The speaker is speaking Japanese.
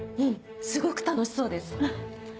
うんすごく楽しそうです。